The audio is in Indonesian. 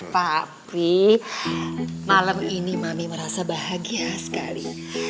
papi malem ini mami merasa bahagia sekali